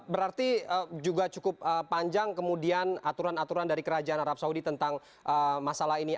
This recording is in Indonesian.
berarti juga cukup panjang kemudian aturan aturan dari kerajaan arab saudi tentang masalah ini